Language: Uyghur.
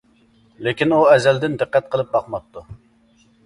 لېكىن ئۇ ئەزەلدىن دىققەت قىلىپ باقماپتۇ.